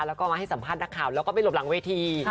แล้วก็มาให้สัมภาษณ์นักข่าวแล้วก็ไปหลบหลังเวที